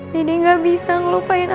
dede gak bisa ngelupain